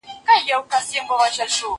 زه بايد مکتب ته لاړ شم؟